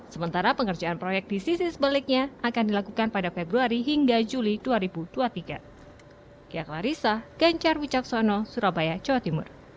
sementara pengerjaan proyek di sisi sebaliknya akan dilakukan pada februari hingga juli dua ribu dua puluh tiga